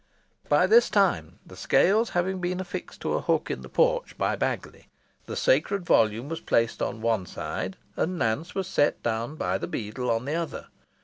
By this time, the scales having been affixed to a hook in the porch by Baggiley, the sacred volume was placed on one side, and Nance set down by the beadle on the other.